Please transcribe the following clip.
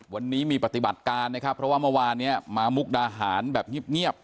วันนี้มีปฏิบัติการนะครับเพราะว่าเมื่อวานเนี่ยมามุกดาหารแบบเงียบ